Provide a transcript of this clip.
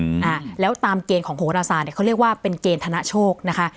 อ่าแล้วตามเกณฑ์ของโหรศาสตร์เนี้ยเขาเรียกว่าเป็นเกณฑ์ธนโชคนะคะ